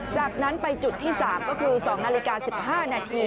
จากนั้นไปจุดที่๓ก็คือ๒นาฬิกา๑๕นาที